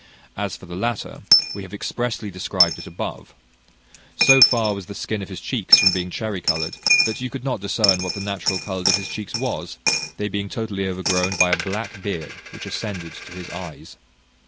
As for the latter, we have expressly described it above. So far was the skin on his cheeks from being cherry coloured, that you could not discern what the natural colour of his cheeks was, they being totally overgrown by a black beard, which ascended to his eyes.